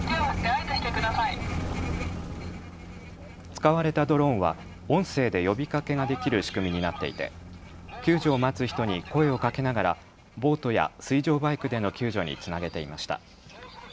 使われたドローンは音声で呼びかけができる仕組みになっていて、救助を待つ人に声をかけながらボートや水上バイクでの救助につなげていました。